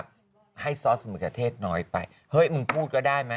เธอว่าให้ซอสกราเทศน้อยไปเห้ยมึงพูดก็ได้มั้ย